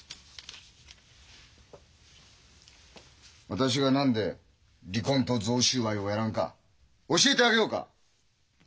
私が何で離婚と贈収賄をやらんか教えてあげようか！